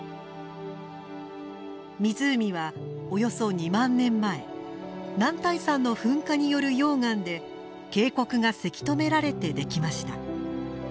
湖はおよそ２万年前男体山の噴火による溶岩で渓谷がせき止められてできました。